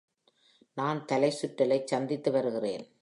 நான் தலை சுற்றலைச் சந்தித்துவருகிறேன்.